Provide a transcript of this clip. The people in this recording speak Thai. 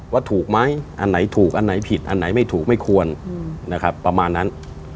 ว่าถูกไหมอันไหนถูกอันไหนผิดอันไหนไม่ถูกไม่ควรนะครับประมาณนั้น